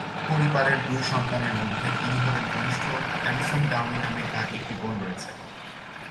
পরিবারের দুই সন্তানের মধ্যে তিনি হলেন কনিষ্ঠ, অ্যালিসন ডাউনি নামে তার একটি বোন রয়েছে।